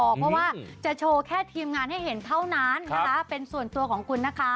เพราะว่าจะโชว์แค่ทีมงานให้เห็นเท่านั้นนะคะเป็นส่วนตัวของคุณนะคะ